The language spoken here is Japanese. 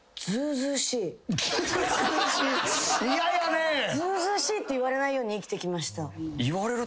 「ずうずうしい」って言われないように生きてきました。